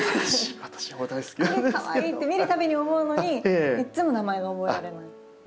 あれかわいいって見るたびに思うのにいつも名前が覚えられない。